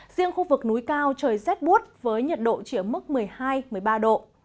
riêng khu vực núi cao trời rét bút với nhiệt độ chỉ ở mức một mươi hai một mươi ba độ